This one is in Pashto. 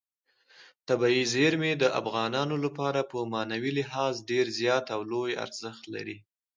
طبیعي زیرمې د افغانانو لپاره په معنوي لحاظ ډېر زیات او لوی ارزښت لري.